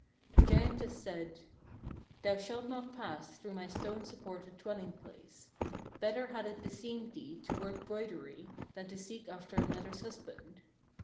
The giantess said: 1. "Thou shalt not pass through my stone supported dwelling place. Better had it beseemed thee to work broidery, than to seek after another's husband.